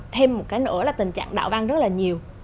thêm một cái nữa là tình trạng đạo văn rất là nhiều